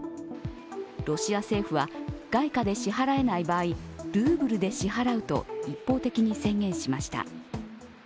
ロシア政府は外貨で支払えない場合、ルーブルで支払うと一方的に宣言しました。